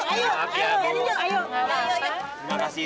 terima kasih terima kasih